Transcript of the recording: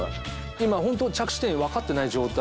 今ホント着地点わかってない状態なんですよ